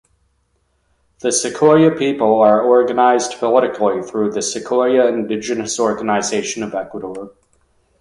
The Secoya people are organized politically through the Secoya Indigenous Organization of Ecuador.